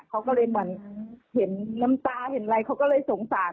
เขาก็เลยเหมือนเห็นน้ำตาเห็นอะไรเขาก็เลยสงสาร